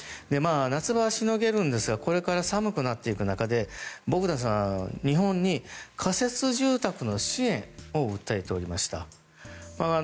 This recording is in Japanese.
夏場はしのげますがこれから寒くなる中でボグダンさん、日本に仮設住宅の支援を訴えていました。